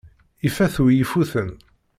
Ifat-wi ifuten.